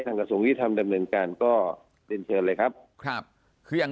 ทางกระทรงวิทยาลัยทำดำเนินการก็เป็นเชิญเลยครับคืออย่าง